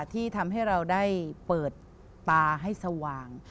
ที่ทำให้เราได้เปิดตาให้สว่าง